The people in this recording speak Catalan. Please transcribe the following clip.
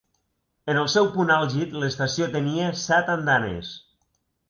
En el seu punt àlgid, l'estació tenia set andanes.